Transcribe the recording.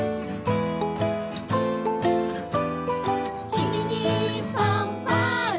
「君にファンファーレ」